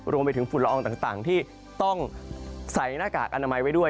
ฝุ่นละอองต่างที่ต้องใส่หน้ากากอนามัยไว้ด้วย